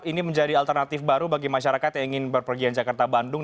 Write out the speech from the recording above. ini menjadi alternatif baru bagi masyarakat yang ingin berpergian jakarta bandung